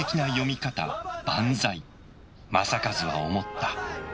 正一は思った。